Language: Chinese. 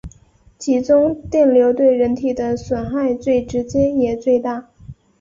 其中电流对人体的损害最直接也最大。